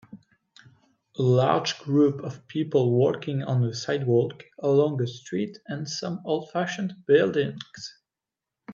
a large group of people walking on a sidewalk along a street and some oldfashioned buildings.